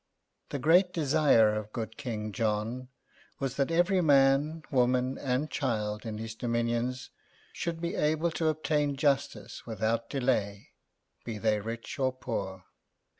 The great desire of good King John was that every man, woman and child in his dominions should be able to obtain justice without delay, be they rich or poor.